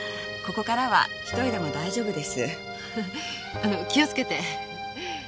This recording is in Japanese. あの気をつけて。